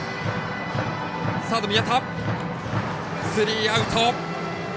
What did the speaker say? スリーアウト。